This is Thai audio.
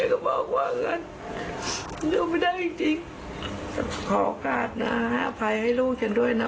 ขอโอกาสนะฮะอภัยให้ลูกฉันด้วยนะ